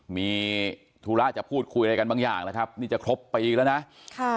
มีธุระจะพูดคุยอะไรกันบางอย่างแล้วครับนี่จะครบปีแล้วนะค่ะ